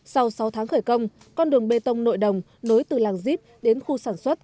sau sáu tháng khởi công con đường bê tông nội đồng nối từ làng zip đến khu sản xuất